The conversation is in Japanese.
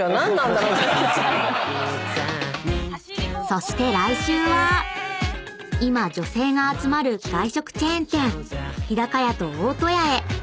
［そして来週は今女性が集まる外食チェーン店日高屋と大戸屋へ］